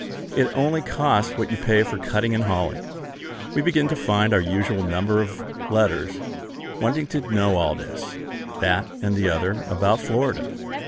It only costs what you pay for cutting and hauling. We begin to find our usual number of letters, wanting to know all this, that, and the other, about Florida.